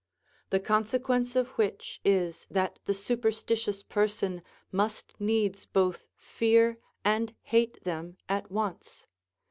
The consequence of which is that the superstitious person must needs both fear and hate them at once.